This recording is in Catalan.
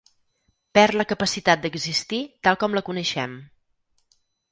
Perd la capacitat d'existir tal com la coneixem.